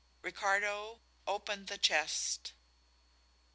Ricardo, open the chest!"